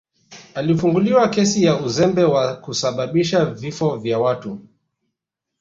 alifunguliwa kesi ya uzembe wa kusababisha vifo vya watu